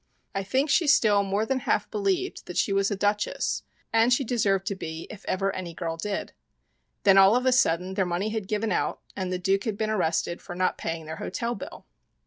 I think she still more than half believed that she was a duchess and she deserved to be if ever any girl did. Then all of a sudden their money had given out and the Duke had been arrested for not paying their hotel bill.